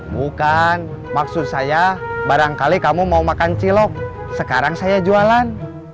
bukan maksud saya barangkali kamu mau makan cilok sekarang saya jualan